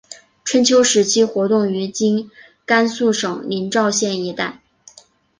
春秋时期活动于今甘肃省临洮县一带。